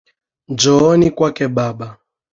Njooni kwake baba